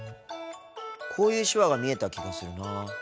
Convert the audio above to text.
こういう手話が見えた気がするなぁ。